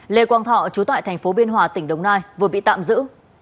lê quang thọ chú tại thành phố biên hòa tỉnh đồng nai vừa bị tạm giữ